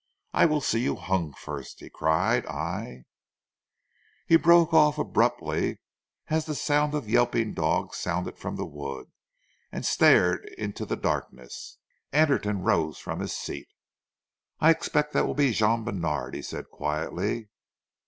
"I will see you hung first," he cried. "I " He broke off abruptly as a sound of yelping dogs sounded from the wood, and stared into the darkness. Anderton rose from his seat. "I expect that will be Jean Bènard," he said quietly.